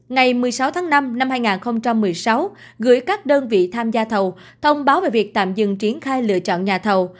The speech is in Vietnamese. ngày một mươi sáu tháng năm năm hai nghìn một mươi sáu gửi các đơn vị tham gia thầu thông báo về việc tạm dừng triển khai lựa chọn nhà thầu